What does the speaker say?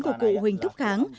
của cụ huỳnh thúc kháng